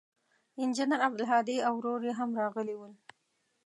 انجنیر عبدالهادي او ورور یې هم راغلي ول.